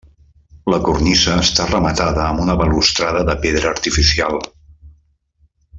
La cornisa està rematada amb una balustrada de pedra artificial.